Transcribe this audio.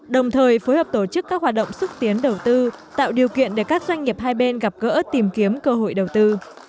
đồng thời phối hợp tổ chức các hoạt động xúc tiến đầu tư tạo điều kiện để các doanh nghiệp hai bên gặp gỡ tìm kiếm cơ hội đầu tư